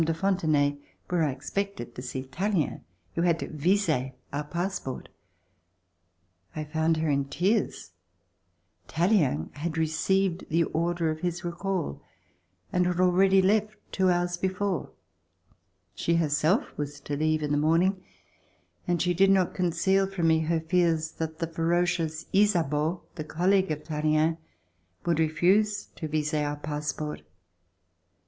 de Fontenay, where I expected to see Talllen who had to vise our passport. I found her in tears. Talllen had received the order of his recall and had already left two hours C174] VOYAGE TO BOSTON before. She herself was to leave in the morning and she did not conceal from me her fears that the fe rocious Ysabeau, the colleague of Tallien, would refuse to vise our passport.